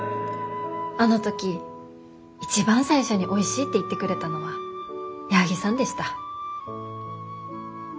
あの時一番最初においしいって言ってくれたのは矢作さんでした。